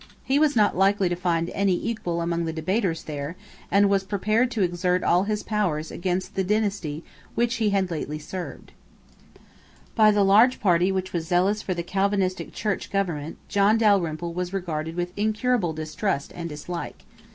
He was not likely to find any equal among the debaters there, and was prepared to exert all his powers against the dynasty which he had lately served, By the large party which was zealous for the Calvinistic church government John Dalrymple was regarded with incurable distrust and dislike.